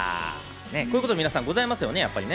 こういうこと、皆さんございますよね？